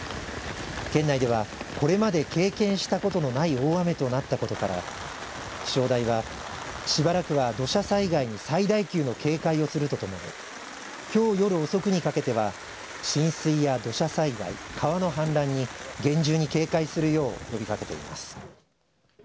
県内では、これまで経験したことのない大雨となったことから気象台は、しばらくは土砂災害に最大級の警戒をするとともにきょう夜遅くにかけては浸水や土砂災害川の氾濫に厳重に警戒するよう呼びかけています。